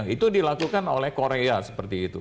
itu dilakukan oleh korea seperti itu